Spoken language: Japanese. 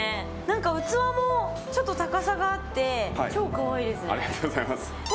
何か、器もちょっと高さがあって超可愛いですね。